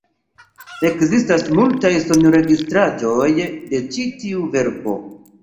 Ekzistas multaj sonregistraĵoj de ĉi tiu verko.